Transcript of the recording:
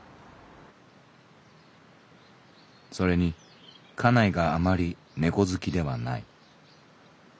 「それに家内があまりネコ好きではない。